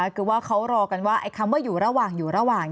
คือว่าเขารอกันว่าคำว่าอยู่ระหว่างอยู่ระหว่าง